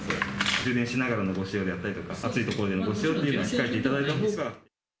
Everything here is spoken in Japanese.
充電しながらのご使用であったりとか、暑い所でのご使用というのは控えていただいたほうが。